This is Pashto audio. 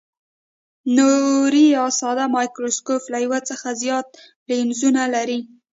نوري یا ساده مایکروسکوپ له یو څخه زیات لینزونه لري.